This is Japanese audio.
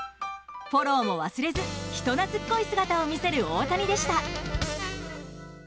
フォローも忘れず人懐っこい姿を見せる大谷でした。